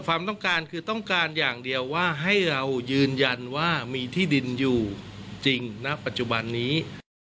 ความต้องการคือต้องการอย่างเดียวว่าให้เรายืนยันว่ามีที่ดินอยู่จริงณปัจจุบันนี้